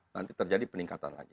nanti terjadi peningkatan lagi